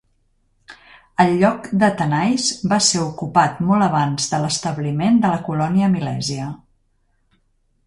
El lloc de Tanais va ser ocupat molt abans de l'establiment de la colònia milèsia.